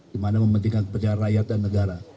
di mana mempentingkan kepentingan rakyat dan negara